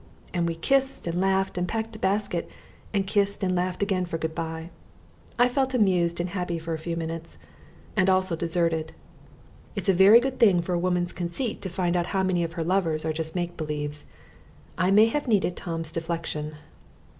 And we kissed and laughed and packed a basket, and kissed and laughed again for good bye. I felt amused and happy for a few minutes and also deserted. It's a very good thing for a woman's conceit to find out how many of her lovers are just make believes. I may have needed Tom's deflection.